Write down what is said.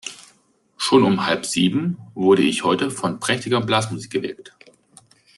Schon um halb sieben wurde ich heute von prächtiger Blasmusik geweckt.